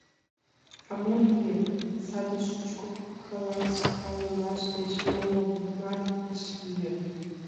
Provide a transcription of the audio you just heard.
А мо лие, саде шучко каласкалымаш деч моло нимат ыш лий вет?